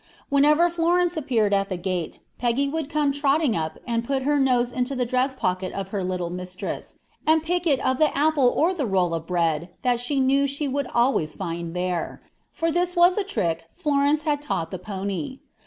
Whenever Florence appeared at the gate, Peggy would come trotting up and put her nose into the dress pocket of her little mistress, and pick it of the apple or the roll of bread that she knew she would always find there, for this was a trick Florence had taught the pony.